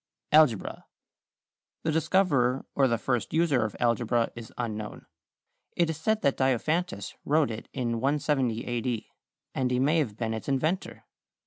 =Algebra.= The discoverer or the first user of algebra is unknown. It is said that Diophantus wrote it in 170 A. D., and he may have been its inventor.